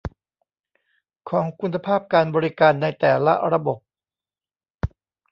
ของคุณภาพการบริการในแต่ละระบบ